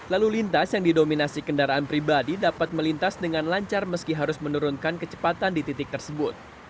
lalu lintas yang didominasi kendaraan pribadi dapat melintas dengan lancar meski harus menurunkan kecepatan di titik tersebut